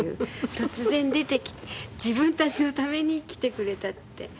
突然出てきて自分たちのために来てくれたって。